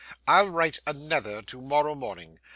I'll write another to morrow morning.